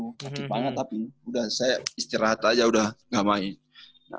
kaki banget tapi udah saya istirahat aja udah gak main